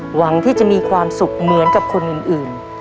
หวังที่จะมีความสุขเหมือนกับคนอื่น